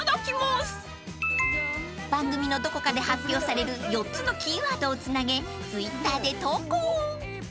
［番組のどこかで発表される４つのキーワードをつなげＴｗｉｔｔｅｒで投稿］